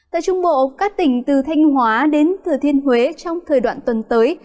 tại trung bộ các tỉnh từ thanh hóa đến thừa thiên huế trong thời đoạn tuần tới